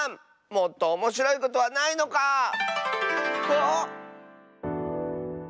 もっとおもしろいことはないのか⁉ああっ。